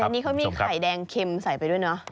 อันนี้เขามีไข่แดงเค็มใส่ไปด้วยเนอะ